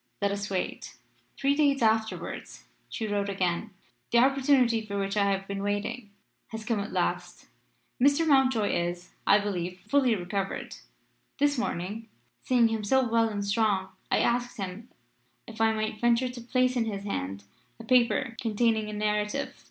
Let us wait." Three days afterwards she wrote again. "The opportunity for which I have been waiting has come at last. Mr. Mountjoy is, I believe, fully recovered. This morning, seeing him so well and strong, I asked him if I might venture to place in his hands a paper containing a narrative.